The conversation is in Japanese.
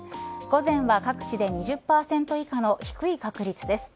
午前は各地で２０％以下の低い確率です。